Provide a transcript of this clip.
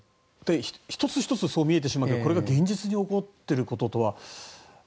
１つ１つそう見えてしまってこれが現実に起こっていることとは。